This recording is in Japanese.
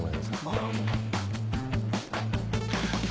あっ。